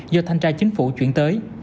do thanh tra chính phủ chuyển tới